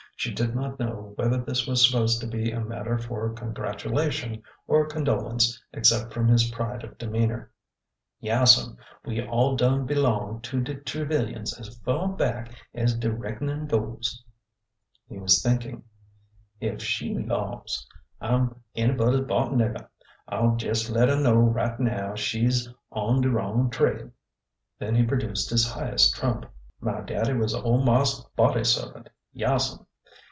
She did not know whe ther this was supposed to be matter for congratulation or condolence except from his pride of demeanor. '' Yaas'm, we all done b'longe4 to de Trevilians as fur back as de reck'nin' goes." He was thinking, '' Ef she 'lows I 'm anybody's bought nigger I 'll jes' let her know right now she 's on de wrong trail!" Then he produced his highest trump. My daddy was ole marse's body servant. Yaas'm."